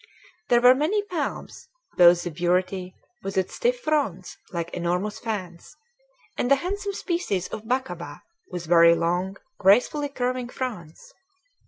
There were many palms, both the burity with its stiff fronds like enormous fans, and a handsome species of bacaba, with very long, gracefully curving fronds.